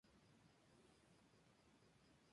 Su cabeza fue enviada como trofeo a Caesaraugusta.